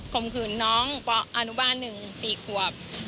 ผมคือน้องประอานุบาล๑สี่ขวบ